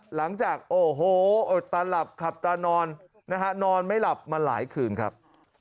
หลังจากโอ้โหตาหลับขับตานอนนะฮะนอนไม่หลับมาหลายคืนครับ